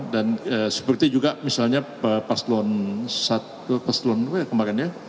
dan seperti juga misalnya pak paslon kemarin ya